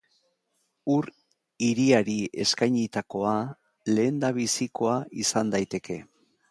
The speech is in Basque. Ur hiriari eskainitakoa lehendabizikoa izan daiteke.